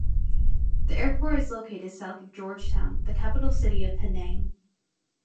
The airport is located south of George Town, the capital city of Penang.